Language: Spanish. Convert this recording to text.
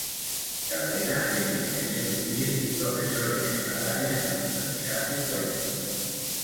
Cabrera es ingeniero civil y profesor en esta área en la Universidad de Cuenca.